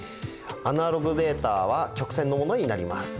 アナログデータは曲線のものになります。